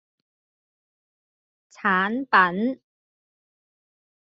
產品